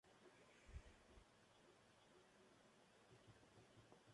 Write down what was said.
Tiene un papel muy importante en la regulación del metabolismo del colesterol.